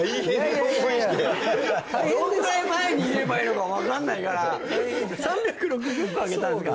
どんぐらい前に言えばいいのか分かんないから３６０個揚げたんですか？